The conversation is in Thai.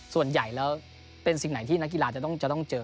ส่วนใหญ่แล้วเป็นสิ่งไหนที่นักกีฬาจะต้องเจอ